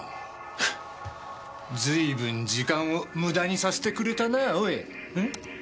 フッずいぶん時間を無駄にさせてくれたなおい。